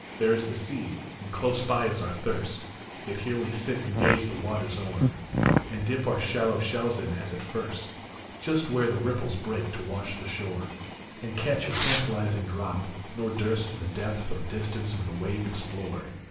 There is the sea ; and close by is our thirst, Yet here we sit and gaze the waters o er, And dip our shallow shells in as at first, Just where the ripples break to wash the shore, And catch a tantalizing drop, nor durst The depth or distance of the wave explore. 206 LIFE.